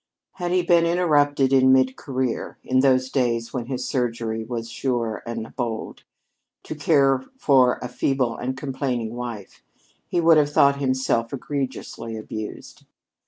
Had he been interrupted in mid career in those days when his surgery was sure and bold to care for a feeble and complaining wife, he would have thought himself egregiously abused.